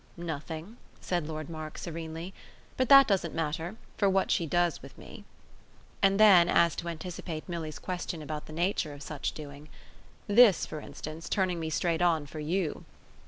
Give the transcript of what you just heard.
"Nothing," said Lord Mark serenely. "But that doesn't matter for what she does with me." And then as to anticipate Milly's question about the nature of such doing: "This for instance turning me straight on for YOU."